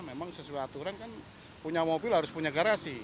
memang sesuai aturan kan punya mobil harus punya garasi